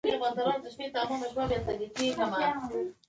پسه فکر کاوه چې زموږ دروازه د ده د چپلو ده.